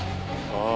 ああ。